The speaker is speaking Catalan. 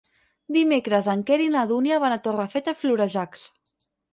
Dimecres en Quer i na Dúnia van a Torrefeta i Florejacs.